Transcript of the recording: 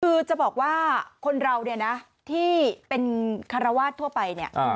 คือจะบอกว่าคนเราที่เป็นคารวาสทั่วไป